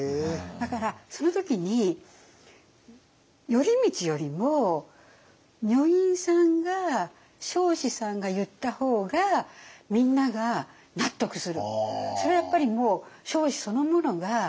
だからその時に頼通よりも女院さんが彰子さんが言った方がみんなが納得する。